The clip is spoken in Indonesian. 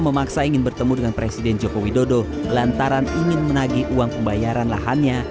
memaksa ingin bertemu dengan presiden joko widodo lantaran ingin menagi uang pembayaran lahannya